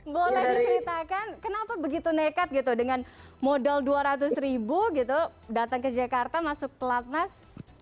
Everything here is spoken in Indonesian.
boleh diceritakan kenapa begitu nekat gitu dengan modal dua ratus ribu gitu datang ke jakarta masuk pelatnas